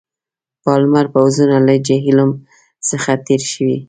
پالمر پوځونه له جیهلم څخه تېر شوي.